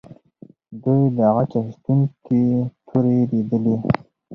دوی د غچ اخیستونکې تورې لیدلې.